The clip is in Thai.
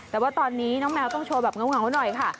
แต่ว่าตอนนี้น้องแมวต้องโชว์แบบเหงาหน่อยค่ะ